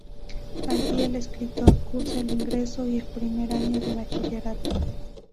Allí el escritor cursa el ingreso y el primer año de Bachillerato.